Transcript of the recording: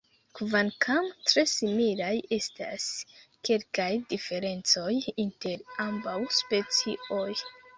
Kvankam tre similaj, estas kelkaj diferencoj inter ambaŭ specioj.